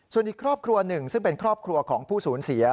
ส่วนอีกครอบครัวหนึ่งซึ่งเป็นครอบครัวของผู้สูญเสีย